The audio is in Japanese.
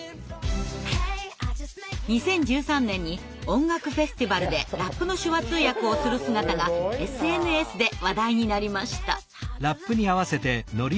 ２０１３年に音楽フェスティバルでラップの手話通訳をする姿がＳＮＳで話題になりました。